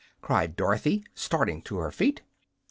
cried Dorothy, starting to her feet.